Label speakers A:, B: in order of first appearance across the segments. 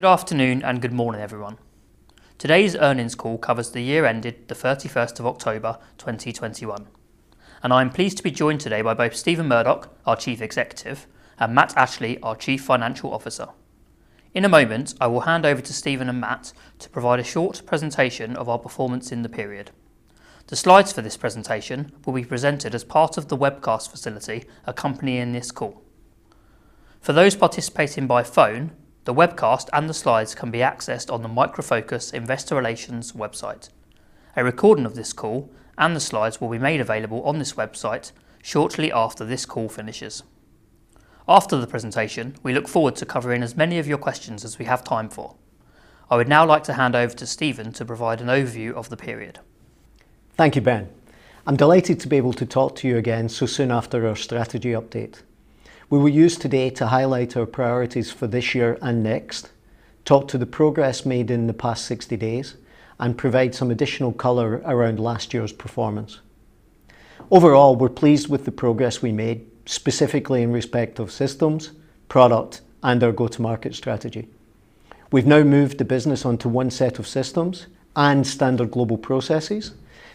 A: Good afternoon and good morning, everyone. Today's earnings call covers the year ended the 31st of October 2021, and I'm pleased to be joined today by both Stephen Murdoch, our Chief Executive, and Matt Ashley, our Chief Financial Officer. In a moment, I will hand over to Stephen and Matt to provide a short presentation of our performance in the period. The slides for this presentation will be presented as part of the webcast facility accompanying this call. For those participating by phone, the webcast and the slides can be accessed on the Micro Focus Investor Relations website. A recording of this call and the slides will be made available on this website shortly after this call finishes. After the presentation, we look forward to covering as many of your questions as we have time for. I would now like to hand over to Stephen to provide an overview of the period.
B: Thank you, Ben. I'm delighted to be able to talk to you again so soon after our strategy update. We will use today to highlight our priorities for this year and next, talk to the progress made in the past 60 days, and provide some additional color around last year's performance. Overall, we're pleased with the progress we made, specifically in respect of systems, product, and our go-to-market strategy. We've now moved the business onto one set of systems and standard global processes.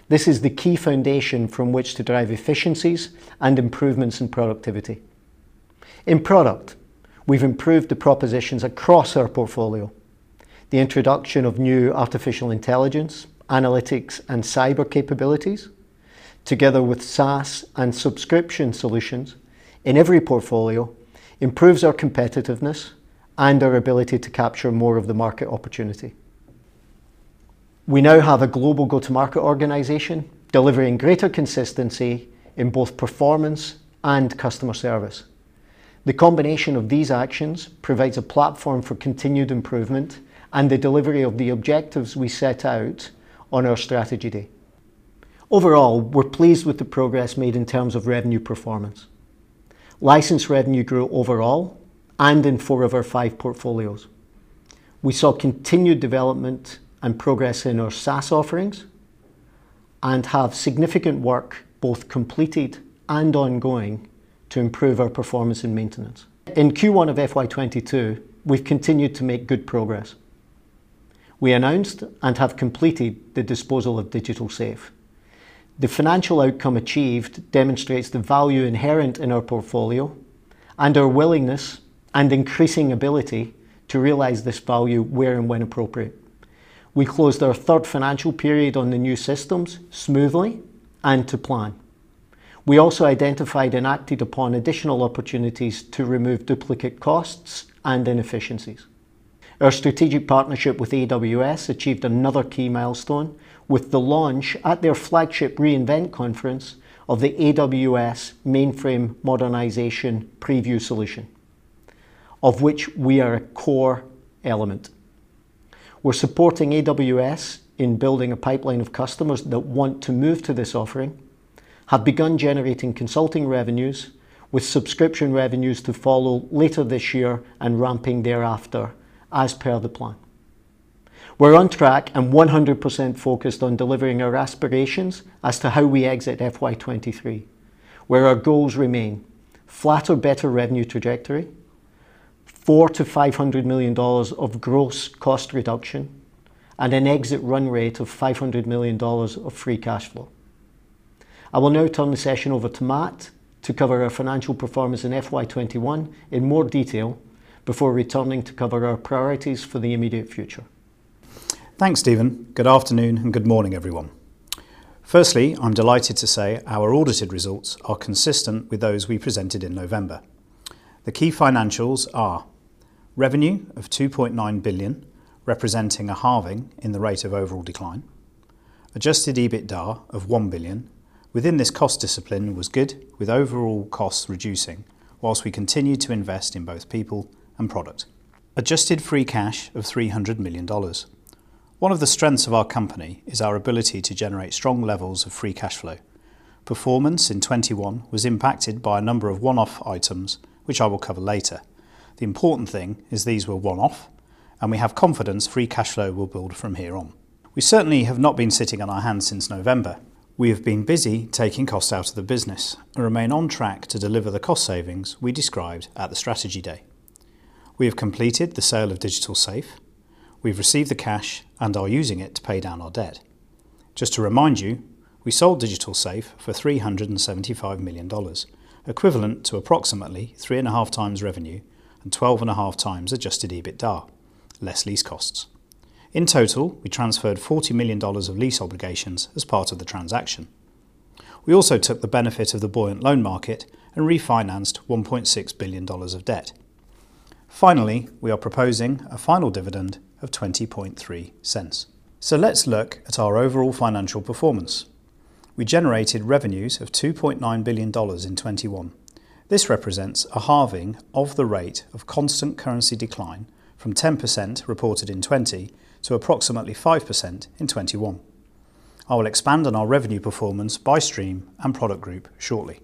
B: This is the key foundation from which to drive efficiencies and improvements in productivity. In product, we've improved the propositions across our portfolio. The introduction of new artificial intelligence, analytics, and cyber capabilities, together with SaaS and subscription solutions in every portfolio, improves our competitiveness, and our ability to capture more of the market opportunity. We now have a global go-to-market organization, delivering greater consistency in both performance and customer service. The combination of these actions provides a platform for continued improvement, and the delivery of the objectives we set out on our strategy day. Overall, we're pleased with the progress made in terms of revenue performance. License revenue grew overall and in four of our five portfolios. We saw continued development and progress in our SaaS offerings, and have significant work both completed and ongoing to improve our performance and maintenance. In Q1 of FY 2022, we've continued to make good progress. We announced and have completed the disposal of Digital Safe. The financial outcome achieved demonstrates the value inherent in our portfolio and our willingness and increasing ability to realize this value where and when appropriate. We closed our third financial period on the new systems smoothly and to plan. We also identified and acted upon additional opportunities to remove duplicate costs and inefficiencies. Our strategic partnership with AWS achieved another key milestone with the launch at their flagship re:Invent conference of the AWS Mainframe Modernization Preview Solution, of which we are a core element. We're supporting AWS in building a pipeline of customers that want to move to this offering, have begun generating consulting revenues with subscription revenues to follow later this year and ramping thereafter as per the plan. We're on track and 100% focused on delivering our aspirations as to how we exit FY 2023, where our goals remain flat or better revenue trajectory, $400 million-$500 million of gross cost reduction, and an exit run rate of $500 million of free cash flow. I will now turn the session over to Matt to cover our financial performance in FY 2021 in more detail, before returning to cover our priorities for the immediate future.
C: Thanks, Stephen. Good afternoon and good morning, everyone. Firstly, I'm delighted to say our audited results are consistent with those we presented in November. The key financials are, revenue of $2.9 billion, representing a halving in the rate of overall decline. Adjusted EBITDA of $1 billion within this cost discipline was good, with overall costs reducing while we continued to invest in both people and product. Adjusted free cash of $300 million. One of the strengths of our company is our ability to generate strong levels of free cash flow. Performance in 2021 was impacted by a number of one-off items, which I will cover later. The important thing is these were one-off and we have confidence free cash flow will build from here on. We certainly have not been sitting on our hands since November. We have been busy taking costs out of the business and remain on track to deliver the cost savings we described at the strategy day. We have completed the sale of Digital Safe. We've received the cash and are using it to pay down our debt. Just to remind you, we sold Digital Safe for $375 million, equivalent to approximately 3.5x revenue and 12.5x adjusted EBITDA, less lease costs. In total, we transferred $40 million of lease obligations as part of the transaction. We also took the benefit of the buoyant loan market and refinanced $1.6 billion of debt. Finally, we are proposing a final dividend of $0.203. Let's look at our overall financial performance. We generated revenues of $2.9 billion in 2021. This represents a halving of the rate of constant currency decline from 10% reported in 2020, to approximately 5% in 2021. I will expand on our revenue performance by stream and product group shortly.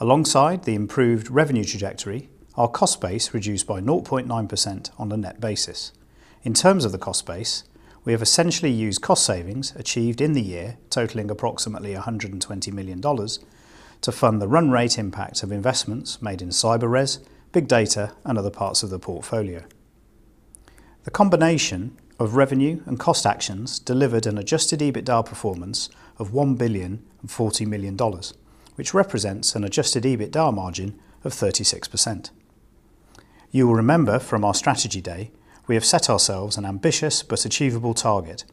C: Alongside the improved revenue trajectory, our cost base reduced by 0.9% on a net basis. In terms of the cost base, we have essentially used cost savings achieved in the year totaling approximately $120, million to fund the run-rate impact of investments made in CyberRes, Big Data, and other parts of the portfolio. The combination of revenue and cost actions delivered an adjusted EBITDA performance of $1.04 billion, which represents an adjusted EBITDA margin of 36%. You will remember from our strategy day, we have set ourselves an ambitious but achievable target,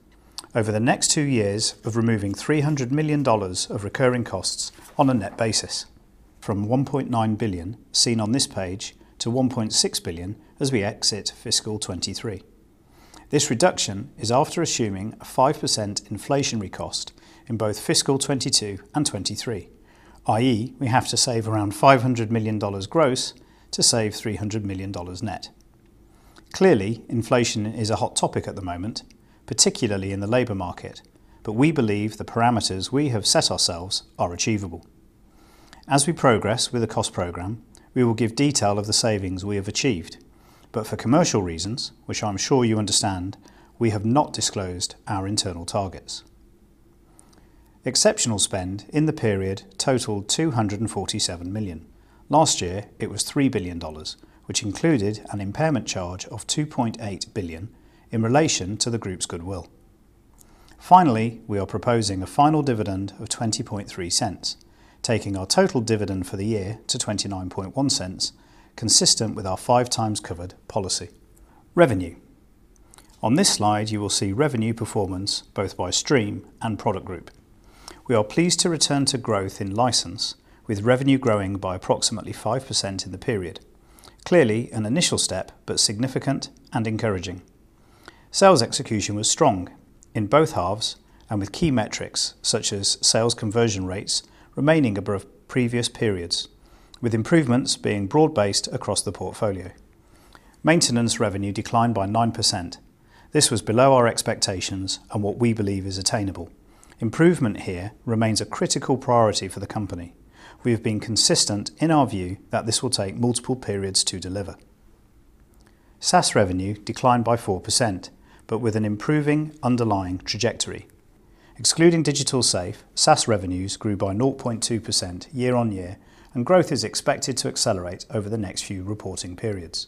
C: over the next two years of removing $300 million of recurring costs on a net basis from $1.9 billion seen on this page to $1.6 billion as we exit FY 2023. This reduction is after assuming a 5% inflationary cost in both FY 2022 and 2023, i.e., we have to save around $500 million gross to save $300 million net. Clearly, inflation is a hot topic at the moment, particularly in the labor market, but we believe the parameters we have set ourselves are achievable. As we progress with the cost program, we will give detail of the savings we have achieved. For commercial reasons, which I'm sure you understand, we have not disclosed our internal targets. Exceptional spend in the period totaled $247 million. Last year, it was $3 billion, which included an impairment charge of $2.8 billion in relation to the group's goodwill. Finally, we are proposing a final dividend of $0.23, taking our total dividend for the year to $0.291, consistent with our 5x covered policy. Revenue. On this slide, you will see revenue performance both by stream and product group. We are pleased to return to growth in license, with revenue growing by approximately 5% in the period. Clearly an initial step, but significant and encouraging. Sales execution was strong in both halves and with key metrics such as sales conversion rates remaining above previous periods, with improvements being broad-based across the portfolio. Maintenance revenue declined by 9%. This was below our expectations and what we believe is attainable. Improvement here remains a critical priority for the company. We have been consistent in our view that this will take multiple periods to deliver. SaaS revenue declined by 4%, but with an improving underlying trajectory. Excluding Digital Safe, SaaS revenues grew by 0.2% year-over-year, and growth is expected to accelerate over the next few reporting periods.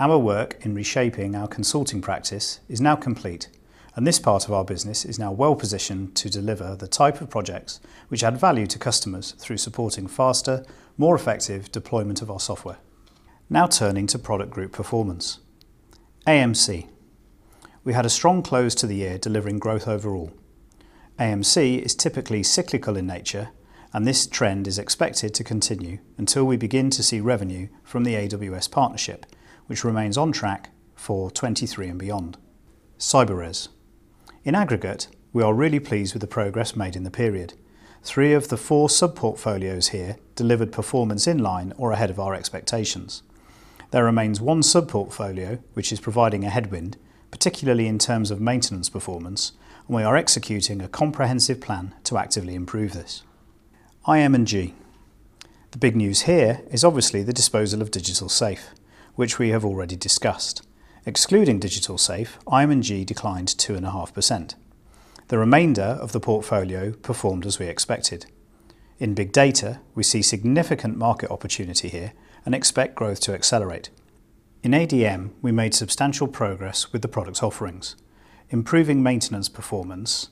C: Our work in reshaping our consulting practice is now complete, and this part of our business is now well-positioned to deliver the type of projects which add value to customers through supporting faster, more effective deployment of our software. Now turning to product group performance. AMC. We had a strong close to the year delivering growth overall. AMC is typically cyclical in nature, and this trend is expected to continue until we begin to see revenue from the AWS partnership, which remains on track for 2023 and beyond. CyberRes. In aggregate, we are really pleased with the progress made in the period. Three of the four sub-portfolios here delivered performance in line or ahead of our expectations. There remains one sub-portfolio which is providing a headwind, particularly in terms of maintenance performance, and we are executing a comprehensive plan to actively improve this. IM&G. The big news here is obviously the disposal of Digital Safe, which we have already discussed. Excluding Digital Safe, IM&G declined 2.5%. The remainder of the portfolio performed as we expected. In Big Data, we see significant market opportunity here and expect growth to accelerate. In ADM, we made substantial progress with the product offerings. Improving maintenance performance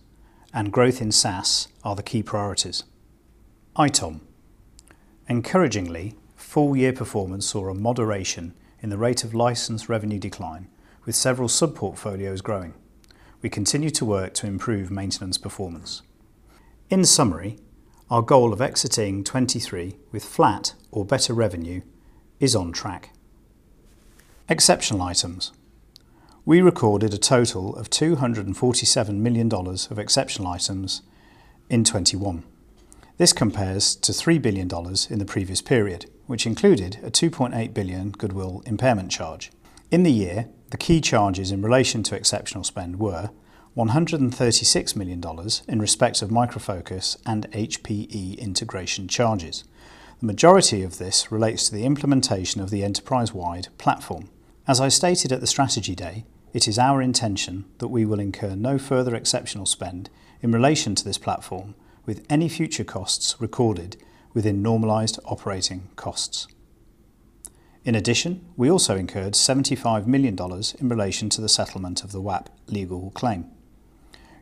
C: and growth in SaaS are the key priorities. ITOM. Encouragingly, full year performance saw a moderation in the rate of license revenue decline, with several sub-portfolios growing. We continue to work to improve maintenance performance. In summary, our goal of exiting 2023 with flat or better revenue is on track. Exceptional items. We recorded a total of $247 million of exceptional items in 2021. This compares to $3 billion in the previous period, which included a $2.8 billion goodwill impairment charge. In the year, the key charges in relation to exceptional spend were $136 million in respect of Micro Focus and HPE integration charges. The majority of this relates to the implementation of the enterprise-wide platform. As I stated at the strategy day, it is our intention that we will incur no further exceptional spend in relation to this platform, with any future costs recorded within normalized operating costs. In addition, we also incurred $75 million in relation to the settlement of the Wappler legal claim.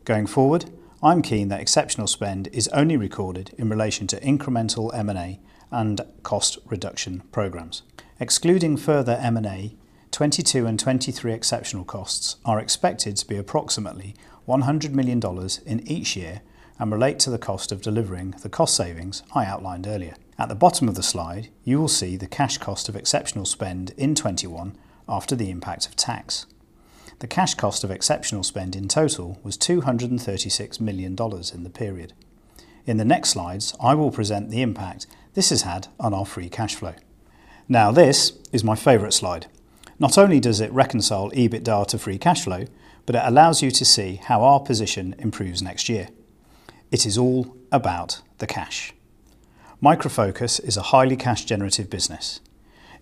C: Going forward, I'm keen that exceptional spend is only recorded in relation to incremental M&A and cost reduction programs. Excluding further M&A, 2022 and 2023 exceptional costs are expected to be approximately $100 million in each year, and relate to the cost of delivering the cost savings I outlined earlier. At the bottom of the slide, you will see the cash cost of exceptional spend in 2021 after the impact of tax. The cash cost of exceptional spend in total was $236 million in the period. In the next slides, I will present the impact this has had on our free cash flow. Now, this is my favorite slide. Not only does it reconcile EBITDA to free cash flow, but it allows you to see how our position improves next year. It is all about the cash. Micro Focus is a highly cash-generative business.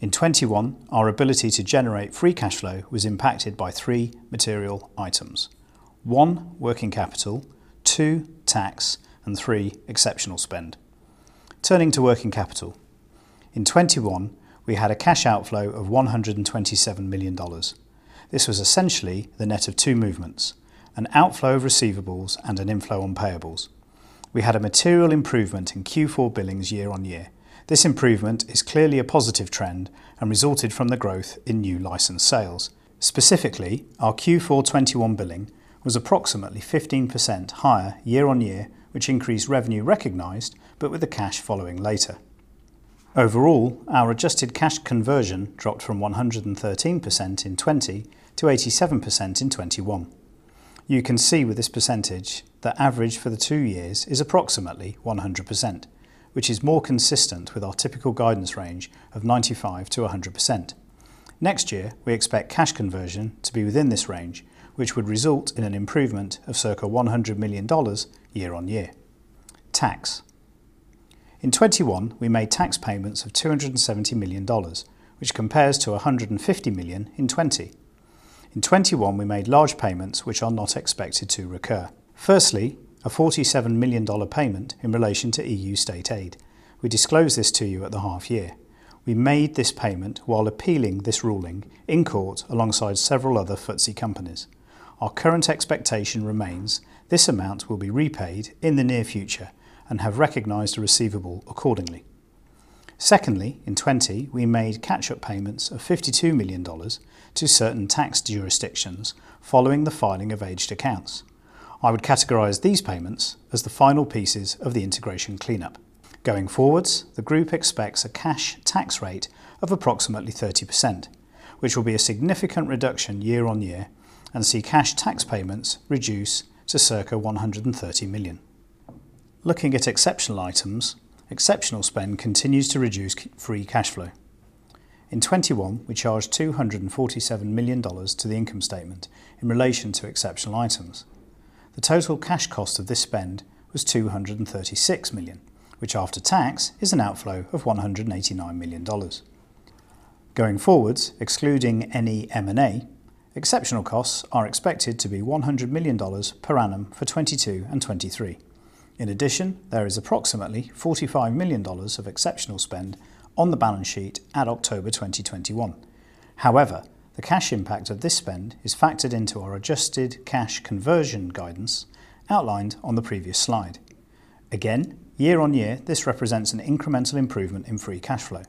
C: In 2021, our ability to generate free cash flow was impacted by three material items. One, working capital, two, tax, and three, exceptional spend. Turning to working capital. In 2021, we had a cash outflow of $127 million. This was essentially the net of two movements, an outflow of receivables and an inflow on payables. We had a material improvement in Q4 billings year-over-year. This improvement is clearly a positive trend and resulted from the growth in new license sales. Specifically, our Q4 2021 billing was approximately 15% higher year-over-year, which increased revenue recognized, but with the cash following later. Overall, our adjusted cash conversion dropped from 113% in 2020, to 87% in 2021. You can see with this percentage the average for the two years is approximately 100%, which is more consistent with our typical guidance range of 95%-100%. Next year, we expect cash conversion to be within this range, which would result in an improvement of circa $100 million year on year. Tax. In 2021, we made tax payments of $270 million, which compares to $150 million in 2020. In 2021, we made large payments which are not expected to recur. Firstly, a $47 million payment in relation to EU state aid. We disclosed this to you at the half year. We made this payment while appealing this ruling in court alongside several other FTSE companies. Our current expectation remains this amount will be repaid in the near future and have recognized a receivable accordingly. Secondly, in 2020, we made catch-up payments of $52 million to certain tax jurisdictions following the filing of aged accounts. I would categorize these payments as the final pieces of the integration cleanup. Going forward, the group expects a cash tax rate of approximately 30%, which will be a significant reduction year-over-year and see cash tax payments reduce to circa $130 million. Looking at exceptional items, exceptional spend continues to reduce free cash flow. In 2021, we charged $247 million to the income statement in relation to exceptional items. The total cash cost of this spend was $236 million, which after tax is an outflow of $189 million. Going forwards, excluding any M&A, exceptional costs are expected to be $100 million per annum for 2022 and 2023. In addition, there is approximately $45 million of exceptional spend on the balance sheet at October 2021. However, the cash impact of this spend is factored into our adjusted cash conversion guidance outlined on the previous slide. Again, year-on-year, this represents an incremental improvement in free cash flow.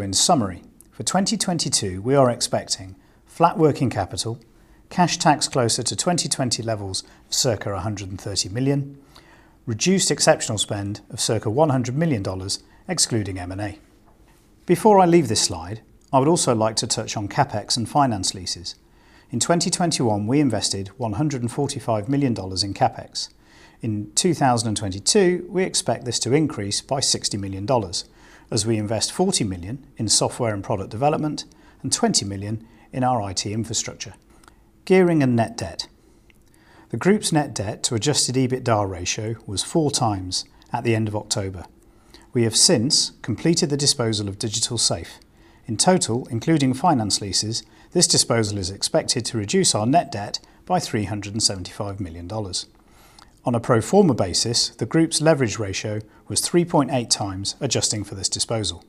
C: In summary, for 2022, we are expecting flat working capital, cash tax closer to 2020 levels of circa $130 million, reduced exceptional spend of circa $100 million excluding M&A. Before I leave this slide, I would also like to touch on CapEx and finance leases. In 2021, we invested $145 million in CapEx. In 2022, we expect this to increase by $60 million as we invest $40 million in software and product development, and $20 million in our IT infrastructure. Gearing and net debt. The group's net debt to adjusted EBITDA ratio was 4x at the end of October. We have since completed the disposal of Digital Safe. In total, including finance leases, this disposal is expected to reduce our net debt by $375 million. On a pro forma basis, the group's leverage ratio was 3.8x adjusting for this disposal.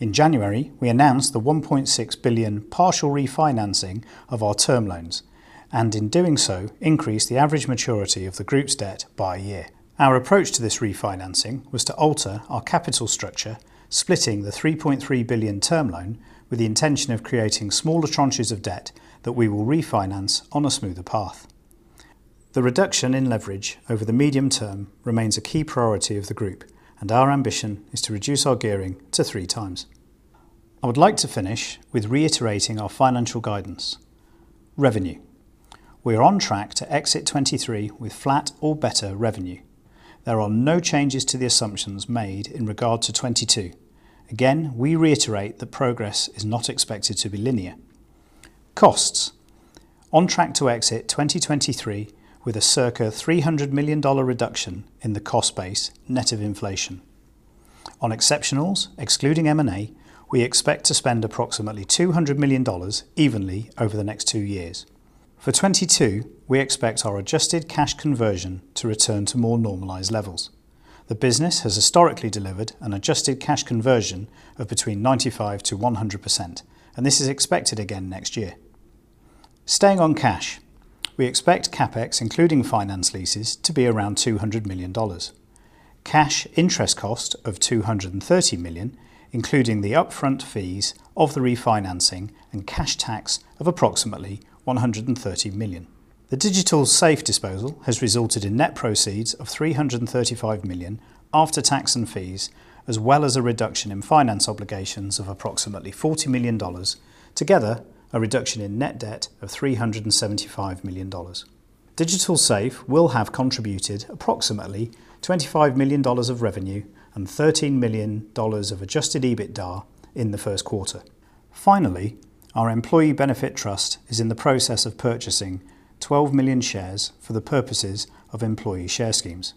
C: In January, we announced the $1.6 billion partial refinancing of our term loans, and in doing so, increased the average maturity of the group's debt by a year. Our approach to this refinancing was to alter our capital structure, splitting the $3.3 billion term loan with the intention of creating smaller tranches of debt that we will refinance on a smoother path. The reduction in leverage over the medium term remains a key priority of the group, and our ambition is to reduce our gearing to 3x. I would like to finish with reiterating our financial guidance. Revenue. We are on track to exit 2023 with flat or better revenue. There are no changes to the assumptions made in regard to 2022. Again, we reiterate that progress is not expected to be linear. Costs. On track to exit 2023 with a circa $300 million reduction in the cost base net of inflation. On exceptionals excluding M&A, we expect to spend approximately $200 million evenly over the next two years. For 2022, we expect our adjusted cash conversion to return to more normalized levels. The business has historically delivered an adjusted cash conversion of between 95%-100%, and this is expected again next year. Staying on cash, we expect CapEx, including finance leases, to be around $200 million. Cash interest cost of $230 million, including the upfront fees of the refinancing and cash tax of approximately $130 million. The Digital Safe disposal has resulted in net proceeds of $335 million after tax and fees, as well as a reduction in finance obligations of approximately $40 million. Together, a reduction in net debt of $375 million. Digital Safe will have contributed approximately $25 million of revenue and $13 million of adjusted EBITDA in the first quarter. Finally, our employee benefit trust is in the process of purchasing 12 million shares for the purposes of employee share schemes.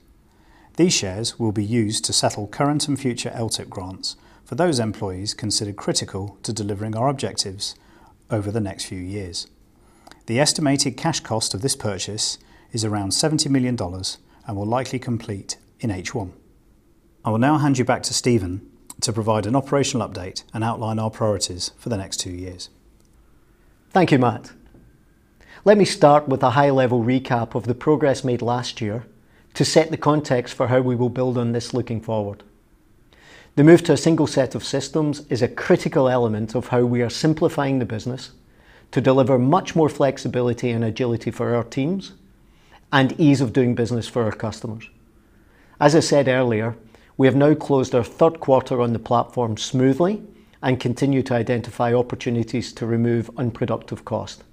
C: These shares will be used to settle current and future LTIP grants for those employees considered critical to delivering our objectives over the next few years. The estimated cash cost of this purchase is around $70 million and will likely complete in H1. I will now hand you back to Stephen to provide an operational update and outline our priorities for the next two years.
B: Thank you, Matt. Let me start with a high-level recap of the progress made last year, to set the context for how we will build on this looking forward. The move to a single set of systems is a critical element of how we are simplifying the business, to deliver much more flexibility and agility for our teams, and ease of doing business for our customers. As I said earlier, we have now closed our third quarter on the platform smoothly and continue to identify opportunities to remove unproductive cost.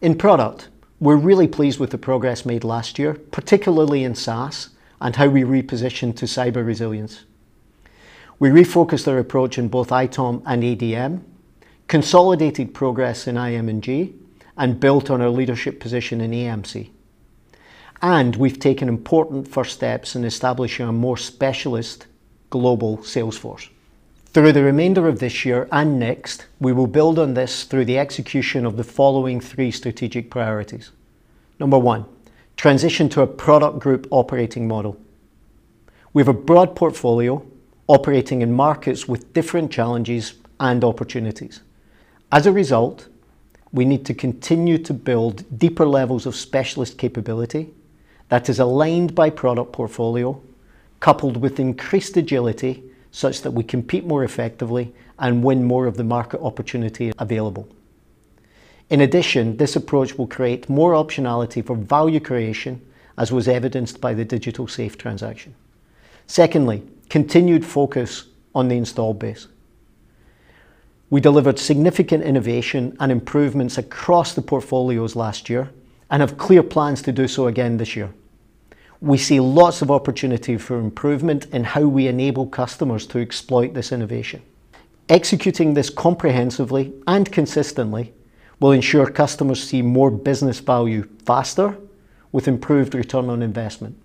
B: In product, we're really pleased with the progress made last year, particularly in SaaS and how we repositioned to cyber resilience. We refocused our approach in both ITOM and ADM, consolidated progress in IM&G, and built on our leadership position in AMC. We've taken important first steps in establishing a more specialist global sales force. Through the remainder of this year and next, we will build on this through the execution of the following three strategic priorities. Number one, transition to a product group operating model. We have a broad portfolio operating in markets with different challenges and opportunities. As a result, we need to continue to build deeper levels of specialist capability, that is aligned by product portfolio, coupled with increased agility such that we compete more effectively, and win more of the market opportunity available. In addition, this approach will create more optionality for value creation, as was evidenced by the Digital Safe transaction. Secondly, continued focus on the installed base. We delivered significant innovation and improvements across the portfolios last year and have clear plans to do so again this year. We see lots of opportunity for improvement in how we enable customers to exploit this innovation. Executing this comprehensively and consistently will ensure customers see more business value faster with improved return on investment.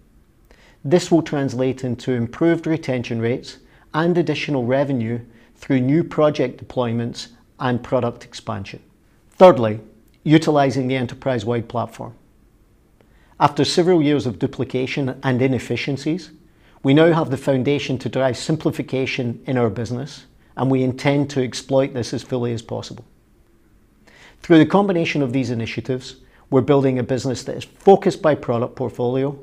B: This will translate into improved retention rates and additional revenue through new project deployments and product expansion. Thirdly, utilizing the enterprise-wide platform after several years of duplication and inefficiencies, we now have the foundation to drive simplification in our business, and we intend to exploit this as fully as possible. Through the combination of these initiatives, we're building a business that is focused by product portfolio,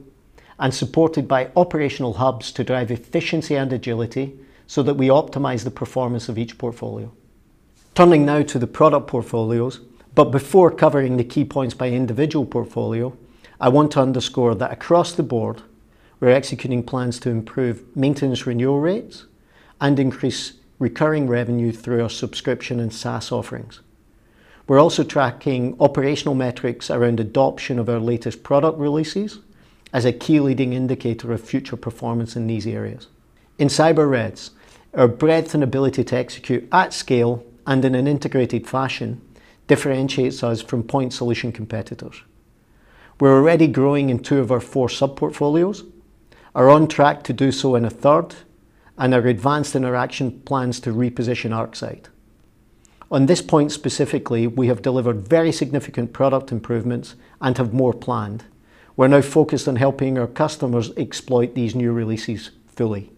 B: and supported by operational hubs to drive efficiency and agility, so that we optimize the performance of each portfolio. Turning now to the product portfolios, but before covering the key points by individual portfolio, I want to underscore that across the board, we're executing plans to improve maintenance renewal rates and increase recurring revenue through our subscription and SaaS offerings. We're also tracking operational metrics around adoption of our latest product releases as a key leading indicator of future performance in these areas. In CyberRes, our breadth and ability to execute at scale and in an integrated fashion differentiates us from point solution competitors. We're already growing in two of our four sub-portfolios, are on track to do so in a third, and are advanced in our action plans to reposition ArcSight. On this point specifically, we have delivered very significant product improvements and have more planned. We're now focused on helping our customers exploit these new releases fully.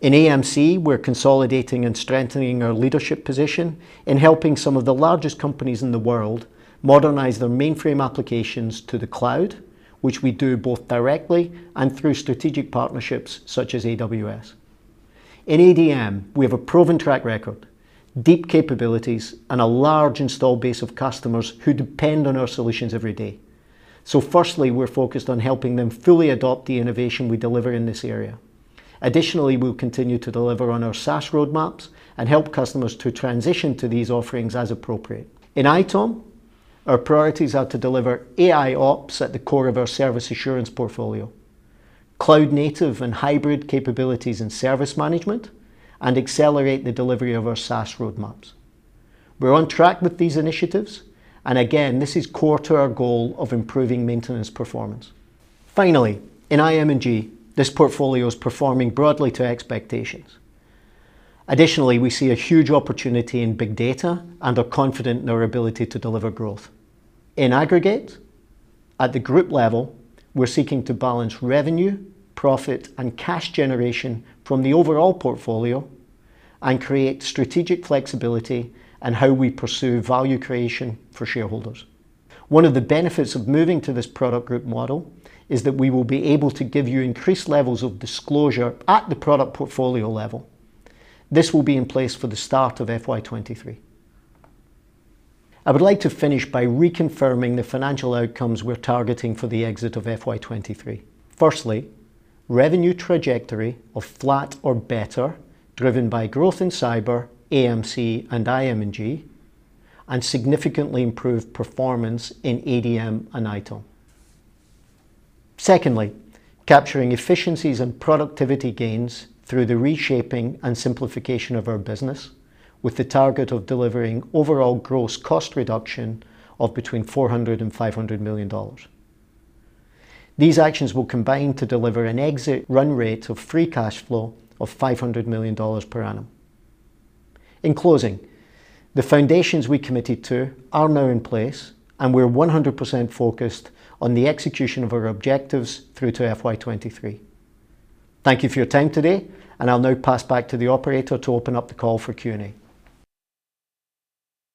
B: In AMC, we're consolidating and strengthening our leadership position in helping some of the largest companies in the world modernize their mainframe applications to the cloud, which we do both directly and through strategic partnerships such as AWS. In ADM, we have a proven track record, deep capabilities, and a large installed base of customers who depend on our solutions every day. Firstly, we're focused on helping them fully adopt the innovation we deliver in this area. Additionally, we'll continue to deliver on our SaaS roadmaps and help customers to transition to these offerings as appropriate. In ITOM, our priorities are to deliver AIOps at the core of our service assurance portfolio, cloud native and hybrid capabilities in service management, and accelerate the delivery of our SaaS roadmaps. We're on track with these initiatives, and again, this is core to our goal of improving maintenance performance. Finally, in IM&G, this portfolio is performing broadly to expectations. Additionally, we see a huge opportunity in big data and are confident in our ability to deliver growth. In aggregate, at the group level, we're seeking to balance revenue, profit, and cash generation from the overall portfolio, and create strategic flexibility in how we pursue value creation for shareholders. One of the benefits of moving to this product group model is that we will be able to give you increased levels of disclosure at the product portfolio level. This will be in place for the start of FY 2023. I would like to finish by reconfirming the financial outcomes we're targeting for the exit of FY 2023. Firstly, revenue trajectory of flat or better, driven by growth in CyberRes, AMC, and IM&G, and significantly improved performance in ADM and ITOM. Secondly, capturing efficiencies and productivity gains through the reshaping and simplification of our business, with the target of delivering overall gross cost reduction of between $400 million and $500 million. These actions will combine to deliver an exit run rate of free cash flow of $500 million per annum. In closing, the foundations we committed to are now in place, and we're 100% focused on the execution of our objectives through to FY 2023. Thank you for your time today, and I'll now pass back to the operator to open up the call for Q&A.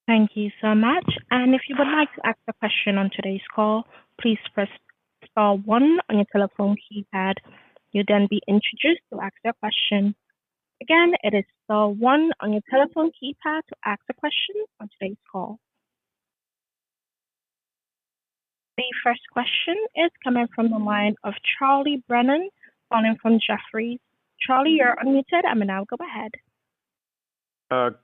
D: Thank you so much. If you would like to ask a question on today's call, please press star one on your telephone keypad. You'll then be introduced to ask your question. Again, it is star one on your telephone keypad to ask a question on today's call. The first question is coming from the line of Charlie Brennan calling from Jefferies. Charlie, you're unmuted, and now go ahead.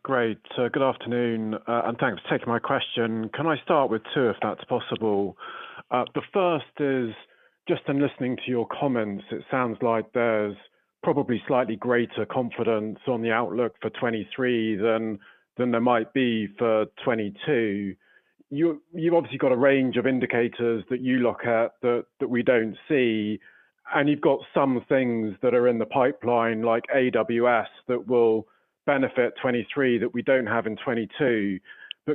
E: Great. Good afternoon, and thanks for taking my question. Can I start with two, if that's possible? The first is just in listening to your comments, it sounds like there's probably slightly greater confidence on the outlook for 2023 than there might be for 2022. You've obviously got a range of indicators that you look at that we don't see, and you've got some things that are in the pipeline, like AWS, that will benefit 2023 that we don't have in 2022.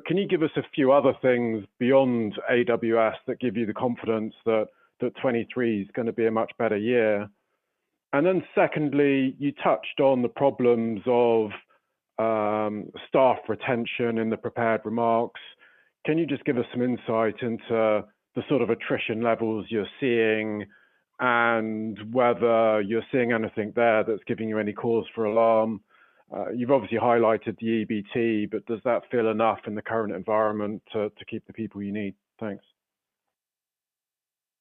E: Can you give us a few other things beyond AWS that give you the confidence that 2023 is gonna be a much better year? Secondly, you touched on the problems of staff retention in the prepared remarks. Can you just give us some insight into the sort of attrition levels you're seeing, and whether you're seeing anything there that's giving you any cause for alarm? You've obviously highlighted the EBT, but does that feel enough in the current environment to keep the people you need? Thanks.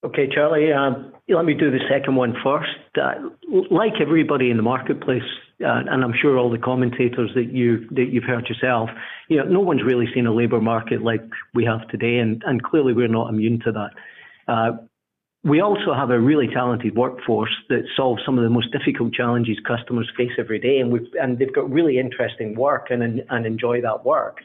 B: Okay, Charlie. Let me do the second one first. Like everybody in the marketplace, and I'm sure all the commentators that you've heard yourself, you know, no one's really seen a labor market like we have today, and clearly we're not immune to that. We also have a really talented workforce that solves some of the most difficult challenges customers face every day, and they've got really interesting work and enjoy that work.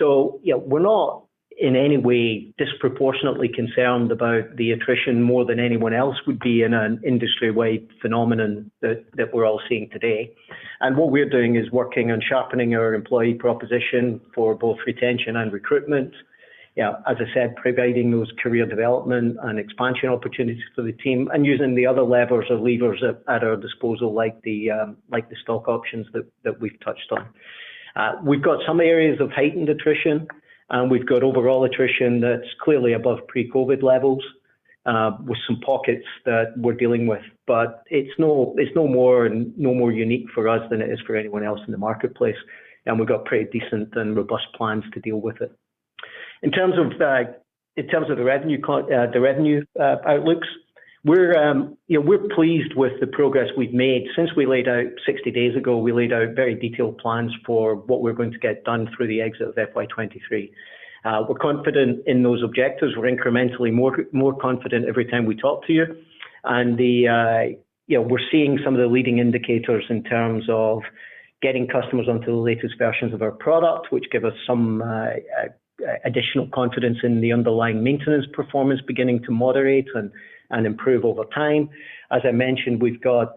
B: You know, we're not in any way disproportionately concerned about the attrition more than anyone else would be in an industry-wide phenomenon that we're all seeing today. What we're doing is working on sharpening our employee proposition for both retention and recruitment. Yeah. As I said, providing those career development and expansion opportunities for the team and using the other levers at our disposal like the stock options that we've touched on. We've got some areas of heightened attrition, and we've got overall attrition that's clearly above pre-COVID levels, with some pockets that we're dealing with. But it's no more unique for us than it is for anyone else in the marketplace. We've got pretty decent and robust plans to deal with it. In terms of the revenue outlooks, you know, we're pleased with the progress we've made. Since we laid out 60 days ago, we laid out very detailed plans for what we're going to get done through the exit of FY 2023. We're confident in those objectives. We're incrementally more confident every time we talk to you. You know, we're seeing some of the leading indicators in terms of getting customers onto the latest versions of our product, which give us some additional confidence in the underlying maintenance performance beginning to moderate and improve over time. As I mentioned, we've got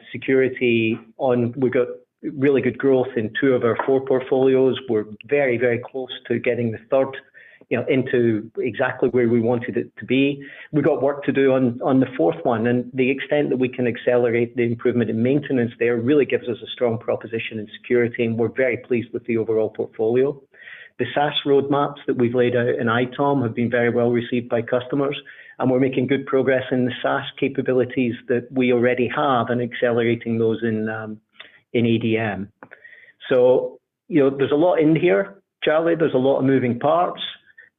B: really good growth in two of our four portfolios. We're very close to getting the third, you know, into exactly where we wanted it to be. We've got work to do on the fourth one, and the extent that we can accelerate the improvement in maintenance there really gives us a strong proposition in security, and we're very pleased with the overall portfolio. The SaaS roadmaps that we've laid out in ITOM have been very well received by customers, and we're making good progress in the SaaS capabilities that we already have and accelerating those in ADM. You know, there's a lot in here, Charlie. There's a lot of moving parts,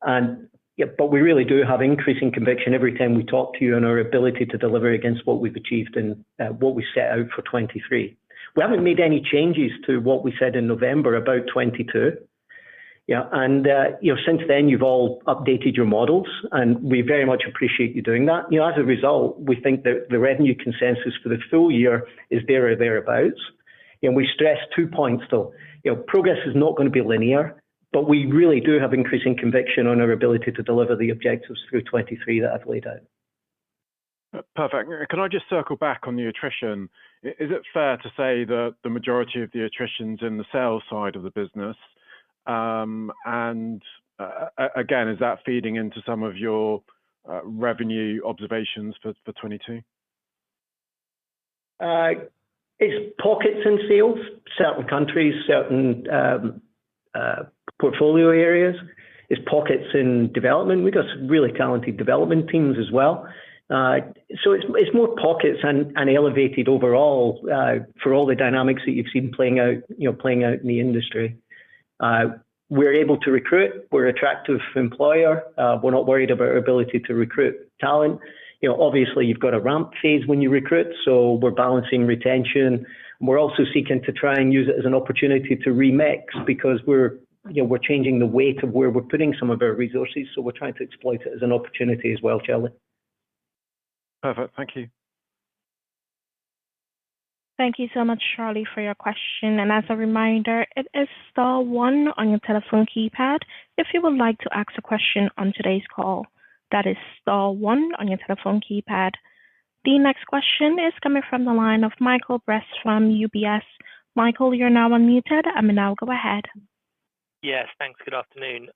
B: and we really do have increasing conviction every time we talk to you on our ability to deliver against what we've achieved and what we set out for 2023. We haven't made any changes to what we said in November about 2022. You know, since then you've all updated your models, and we very much appreciate you doing that. You know, as a result, we think that the revenue consensus for the full-year is there or thereabout. We stress two points, though. You know, progress is not gonna be linear, but we really do have increasing conviction on our ability to deliver the objectives through 2023 that I've laid out.
E: Perfect. Can I just circle back on the attrition? Is it fair to say that the majority of the attrition's in the sales side of the business? Again, is that feeding into some of your revenue observations for 2022?
B: It's pockets in sales, certain countries, certain portfolio areas. It's pockets in development. We've got some really talented development teams as well. So it's more pockets than an elevated overall for all the dynamics that you've seen playing out, you know, in the industry. We're able to recruit. We're attractive employer. We're not worried of our ability to recruit talent. You know, obviously you've got a ramp phase when you recruit, so we're balancing retention. We're also seeking to try and use it as an opportunity to remix because we're, you know, we're changing the weight of where we're putting some of our resources, so we're trying to exploit it as an opportunity as well, Charlie.
E: Perfect. Thank you.
D: Thank you so much, Charlie, for your question. As a reminder, it is star one on your telephone keypad, if you would like to ask a question on today's call. That is star one on your telephone keypad. The next question is coming from the line of Michael Briest from UBS. Michael, you're now unmuted. Now go ahead.
F: Yes, thanks. Good afternoon.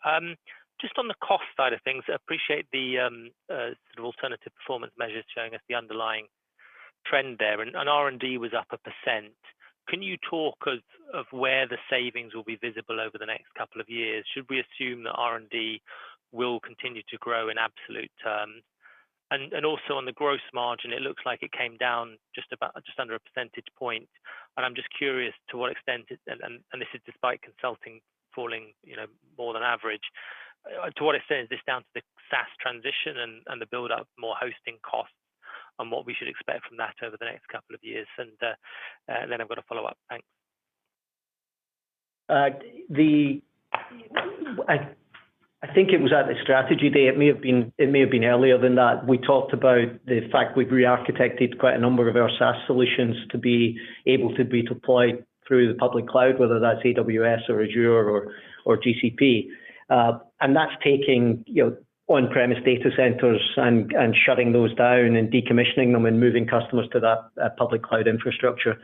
F: Just on the cost side of things, I appreciate the sort of alternative performance measures showing us the underlying trend there. R&D was up 1%. Can you talk of where the savings will be visible over the next couple of years? Should we assume that R&D will continue to grow in absolute terms? Also on the gross margin, it looks like it came down just under 1 percentage point. I'm just curious to what extent it is this despite consulting falling, you know, more than average. To what extent is this down to the SaaS transition and the build-up more hosting costs and what we should expect from that over the next couple of years? I've got a follow-up. Thanks.
B: I think it was at the strategy day. It may have been earlier than that. We talked about the fact we've re-architected quite a number of our SaaS solutions to be able to be deployed through the public cloud, whether that's AWS or Azure or GCP. That's taking, you know, on-premise data centers and shutting those down and decommissioning them and moving customers to that public cloud infrastructure.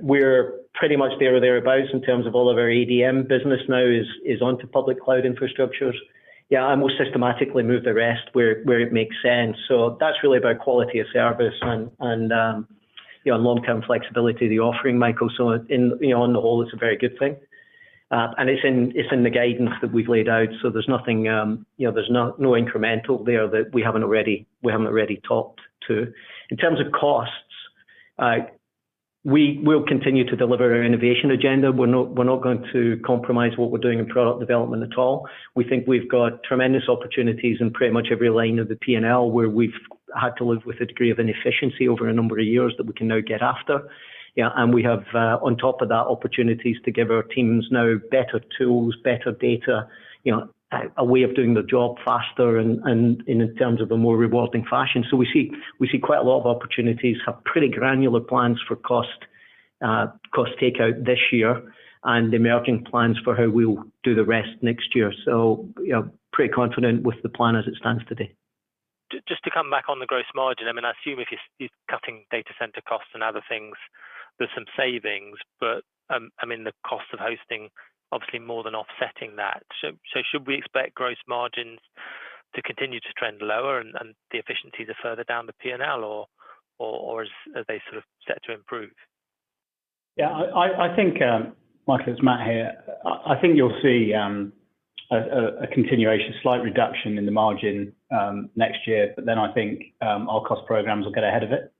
B: We're pretty much there or thereabouts in terms of all of our ADM business now is onto public cloud infrastructures. Yeah, we'll systematically move the rest where it makes sense. That's really about quality of service and, you know, long-term flexibility of the offering, Michael. In, you know, on the whole, it's a very good thing. It's in the guidance that we've laid out, so there's nothing, you know, there's no incremental there that we haven't already talked to. In terms of costs, we will continue to deliver our innovation agenda. We're not going to compromise what we're doing in product development at all. We think we've got tremendous opportunities in pretty much every line of the P&L, where we've had to live with a degree of inefficiency over a number of years that we can now get after. You know, we have, on top of that, opportunities to give our teams now better tools, better data, you know, a way of doing the job faster and in terms of a more rewarding fashion. We see quite a lot of opportunities, have pretty granular plans for cost takeout this year, and emerging plans for how we will do the rest next year. You know, pretty confident with the plan as it stands today.
F: Just to come back on the gross margin, I mean, I assume if you're cutting data center costs and other things, there's some savings. I mean, the cost of hosting obviously more than offsetting that. Should we expect gross margins to continue to trend lower and the efficiencies are further down the P&L or are they sort of set to improve?
C: Yeah. I think, Michael, it's Matt here. I think you'll see a continuation, slight reduction in the margin next year. Then I think our cost programs will get ahead of it,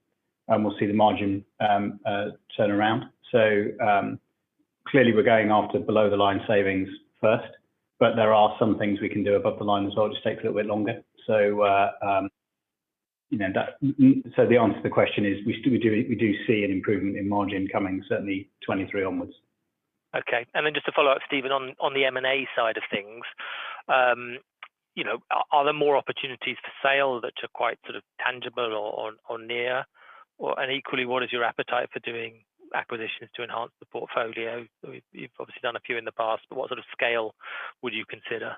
C: and we'll see the margin turn around. Clearly we're going after below-the-line savings first, but there are some things we can do above the line as well. It just takes a little bit longer. You know, the answer to the question is we do see an improvement in margin coming certainly 2023 onwards.
F: Okay. Just to follow up, Stephen, on the M&A side of things, you know, are there more opportunities for sale that are quite sort of tangible or near? Equally, what is your appetite for doing acquisitions to enhance the portfolio? You've obviously done a few in the past, but what sort of scale would you consider?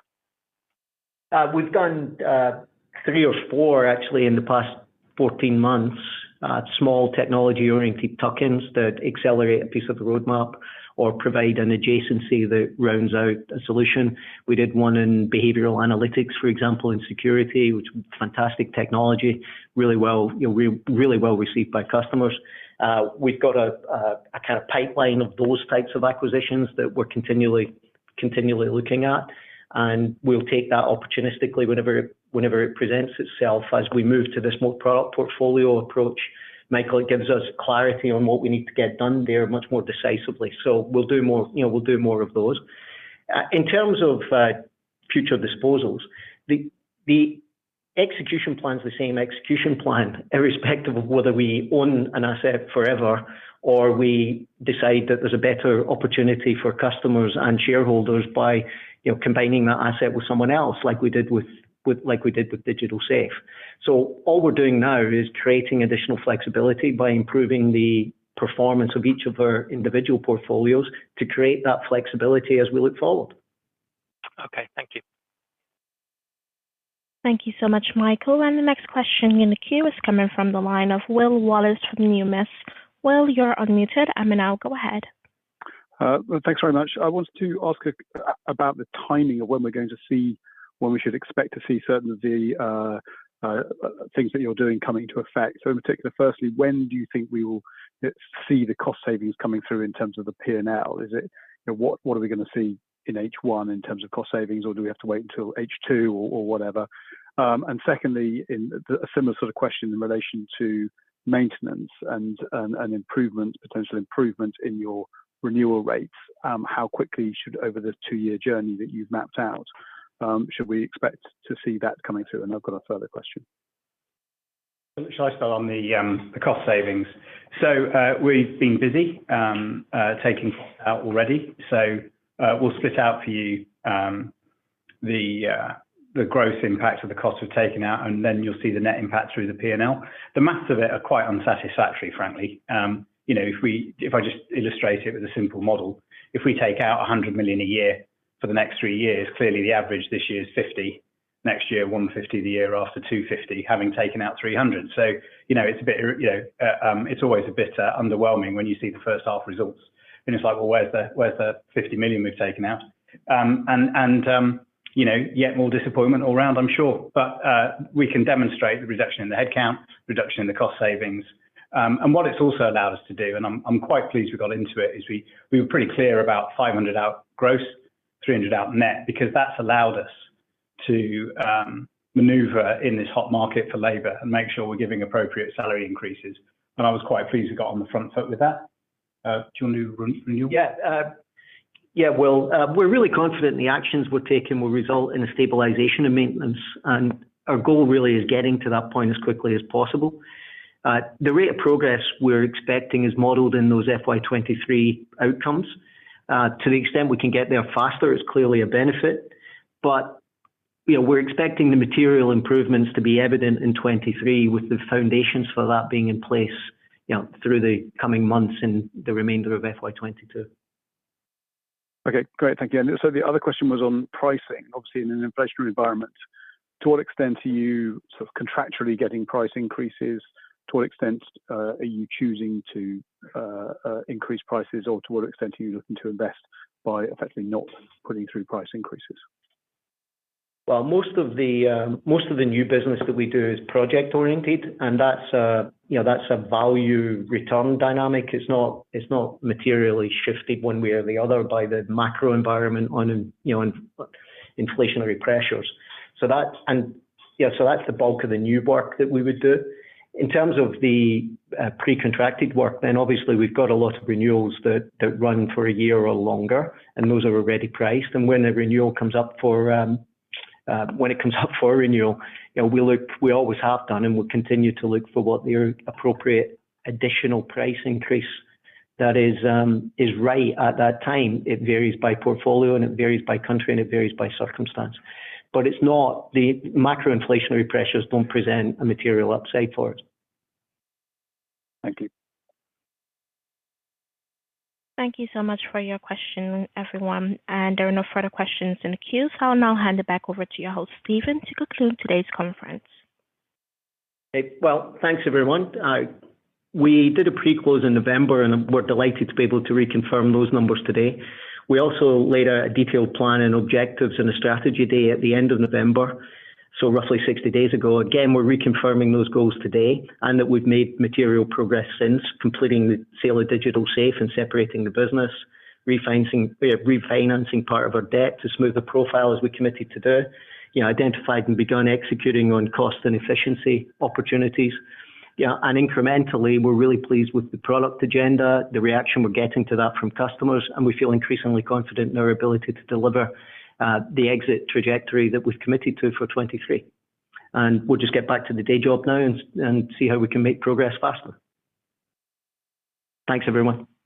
B: We've done three or four actually in the past 14 months, small technology-oriented tuck-ins that accelerate a piece of the roadmap or provide an adjacency that rounds out a solution. We did one in behavioral analytics, for example, in security, which fantastic technology. Really well, you know, really well received by customers. We've got a kind of pipeline of those types of acquisitions that we're continually looking at, and we'll take that opportunistically whenever it presents itself as we move to this more product portfolio approach. Michael, it gives us clarity on what we need to get done there much more decisively. We'll do more, you know, we'll do more of those. In terms of future disposals, the execution plan is the same, irrespective of whether we own an asset forever or we decide that there's a better opportunity for customers and shareholders by, you know, combining that asset with someone else, like we did with Digital Safe. All we're doing now is creating additional flexibility by improving the performance of each of our individual portfolios to create that flexibility as we look forward.
F: Okay. Thank you.
D: Thank you so much, Michael. The next question in the queue is coming from the line of [Will Wallace] from Numis. Will, you're unmuted. Now go ahead.
G: Thanks very much. I wanted to ask about the timing of when we're going to see when we should expect to see certain of the things that you're doing coming into effect. So in particular, firstly, when do you think we will see the cost savings coming through in terms of the P&L? Is it, you know, what are we gonna see in H1 in terms of cost savings, or do we have to wait until H2 or whatever? And secondly, a similar sort of question in relation to maintenance and improvement, potential improvement in your renewal rates. How quickly, over the two-year journey that you've mapped out, should we expect to see that coming through? And I've got a further question.
C: Shall I start on the cost savings? We've been busy taking cost out already. We'll split out for you. The gross impact of the cost we've taken out, and then you'll see the net impact through the P&L. The math of it are quite unsatisfactory, frankly. You know, if I just illustrate it with a simple model, if we take out $100 million a year for the next three years, clearly the average this year is $50 million, next year $150 million, the year after $250 million, having taken out $300 million. You know, it's a bit, you know, it's always a bit underwhelming when you see the first half results, and it's like, well, where's the $50 million we've taken out? And you know, yet more disappointment all round, I'm sure. We can demonstrate the reduction in the headcount, reduction in the cost savings. What it's also allowed us to do, and I'm quite pleased we got into it, is we were pretty clear about $500 out gross, $300 out net because that's allowed us to maneuver in this hot market for labor and make sure we're giving appropriate salary increases. I was quite pleased we got on the front foot with that. Do you want to renew?
B: Well, we're really confident the actions we're taking will result in a stabilization and maintenance, and our goal really is getting to that point as quickly as possible. The rate of progress we're expecting is modeled in those FY 2023 outcomes. To the extent we can get there faster is clearly a benefit. You know, we're expecting the material improvements to be evident in 2023, with the foundations for that being in place, you know, through the coming months in the remainder of FY 2022.
G: Okay, great. Thank you. The other question was on pricing. Obviously, in an inflationary environment, to what extent are you sort of contractually getting price increases? To what extent are you choosing to increase prices? Or to what extent are you looking to invest by effectively not putting through price increases?
B: Well, most of the new business that we do is project-oriented, and that's, you know, a value return dynamic. It's not materially shifted one way or the other by the macro environment, you know, on inflationary pressures. That's the bulk of the new work that we would do. In terms of the pre-contracted work, then obviously we've got a lot of renewals that run for a year or longer, and those are already priced. When a renewal comes up, you know, we always have done, and we'll continue to look for what the appropriate additional price increase that is right at that time. It varies by portfolio, and it varies by country, and it varies by circumstance. Macro inflationary pressures don't present a material upside for us.
G: Thank you.
D: Thank you so much for your question, everyone. There are no further questions in the queue, so I'll now hand it back over to your host, Stephen, to conclude today's conference.
B: Okay. Well, thanks, everyone. We did a pre-close in November, and we're delighted to be able to reconfirm those numbers today. We also laid out a detailed plan and objectives in the strategy day at the end of November. Roughly 60 days ago. Again, we're reconfirming those goals today and that we've made material progress since completing the sale of Digital Safe and separating the business, refinancing part of our debt to smooth the profile as we committed to do. You know, identified and begun executing on cost and efficiency opportunities. Incrementally, we're really pleased with the product agenda, the reaction we're getting to that from customers, and we feel increasingly confident in our ability to deliver the exit trajectory that we've committed to for 2023. We'll just get back to the day job now and see how we can make progress faster. Thanks, everyone.